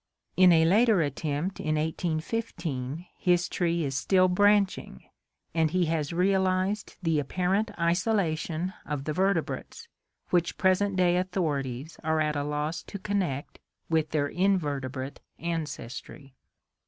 In a later attempt in 1815 his tree is still branching, and he has realized the apparent isolation of the ver tebrates, which present day authorities are at a loss to connect with their invertebrate ancestry.